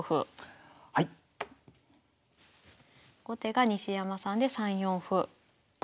後手が西山さんで３四歩。